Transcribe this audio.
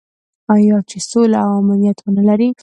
آیا چې سوله او امنیت ونلري؟